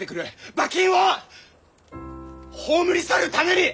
馬琴を葬り去るために！